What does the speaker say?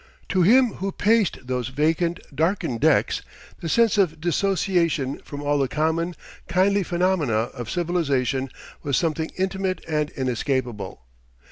To him who paced those vacant, darkened decks, the sense of dissociation from all the common, kindly phenomena of civilization was something intimate and inescapable.